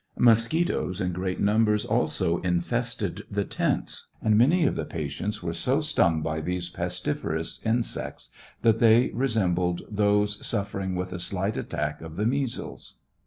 Mosquitos in great numbers also infested the tents, and many of the patients were so stung by these pestiferous insects that they resembled those suffering with a slight attack of the measles.